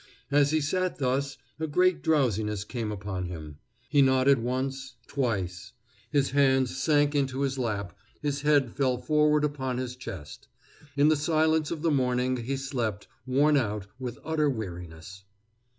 As he sat thus, a great drowsiness came upon him. He nodded once, twice; his hands sank into his lap, his head fell forward upon his chest. In the silence of the morning he slept, worn out with utter weariness.